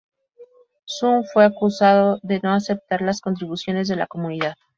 Sun fue acusada de no aceptar las contribuciones de la comunidad.